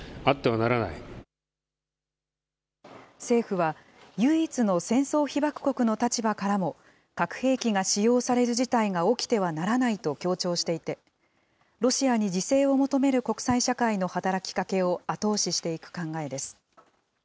政府は、唯一の戦争被爆国の立場からも、核兵器が使用される事態が起きてはならないと強調していて、ロシアに自制を求める国際社会の働きかけを後押ししていく考えです。